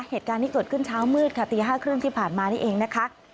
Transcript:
เหตุการณ์ที่เกิดขึ้นเช้ามืดค่ะตี๕๓๐ที่ผ่านมานี่เองนะคะ